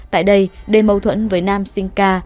tại đây đê mâu thuẫn với nam sinh ca